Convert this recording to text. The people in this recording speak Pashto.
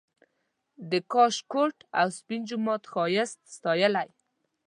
د کاشکوټ او سپین جومات ښایست ستایلی